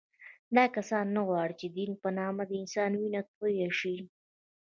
دا کسان نه غواړي چې د دین په نامه د انسان وینه تویه شي